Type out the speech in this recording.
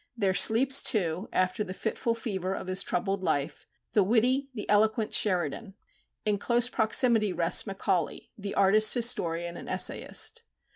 There sleeps, too, after the fitful fever of his troubled life, the witty, the eloquent Sheridan. In close proximity rests Macaulay, the artist historian and essayist.